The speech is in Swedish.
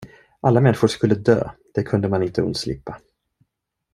Alla människor skulle dö det kunde man inte undslippa.